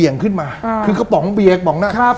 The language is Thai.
วิ่งขึ้นมาคือกระป๋องเหวียกบางหน้า